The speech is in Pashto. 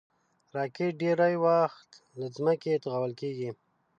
راکټ ډېری وخت له ځمکې توغول کېږي